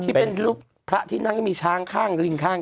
ที่เป็นรูปพระที่นั่งก็มีช้างข้างริงข้าง